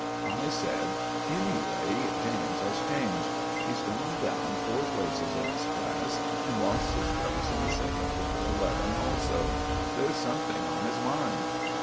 I said, "Anyway, James has changed. He's gone down four places in his class and lost his place in the second 'footer' eleven also. There's something on his mind."